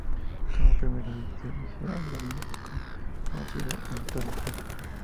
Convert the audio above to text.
Como primer obispo, se eligió al dominico nacido en Toro Fr.